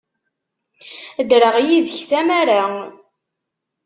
Ddreɣ yid-k tamara.